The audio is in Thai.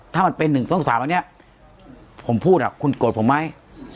ถ้ามันเป็นหนึ่งสองสามอันเนี้ยผมพูดอ่ะคุณโกรธผมไหม